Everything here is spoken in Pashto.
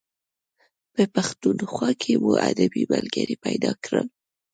په پښتونخوا کې مو ادبي ملګري پیدا کړل.